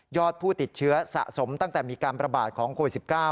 ผู้ติดเชื้อสะสมตั้งแต่มีการประบาดของโควิด๑๙